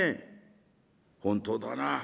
「本当だな。